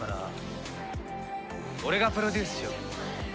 俺がプロデュースしよう。